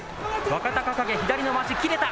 若隆景、左のまわし、切れた。